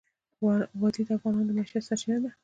وادي د افغانانو د معیشت سرچینه ده.